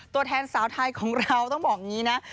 ตัวแทนสาวไทยของเราต้องบอกอย่างนี้นะ